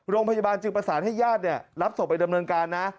โรงพยาบาลจึงประสานให้ญาติรับศพไปดำเนินการนะ